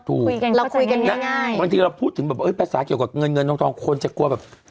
เราคุยกันง่ายบางทีเราพูดถึงแบบภาษาเกี่ยวกับเงินคนจะกลัวแบบ